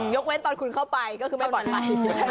ยกเว้นตอนคุณเข้าไปก็คือไม่ปลอดภัย